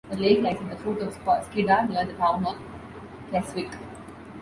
The lake lies at the foot of Skiddaw, near the town of Keswick.